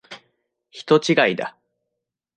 人違いだ。